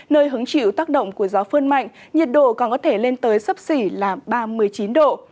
nơi hứng chịu tác động của gió phơn mạnh nhiệt độ còn có thể lên tới sấp xỉ là ba mươi chín độ